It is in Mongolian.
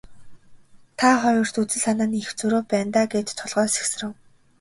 Та хоёрт үзэл санааны их зөрүү байна даа гээд толгой сэгсрэв.